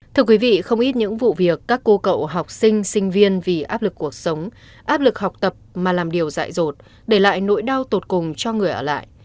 thưa quý vị không ít những vụ việc các cô cậu học sinh sinh viên vì áp lực cuộc sống áp lực học tập mà làm điều dạy rột để lại nỗi đau tột cùng cho người ở lại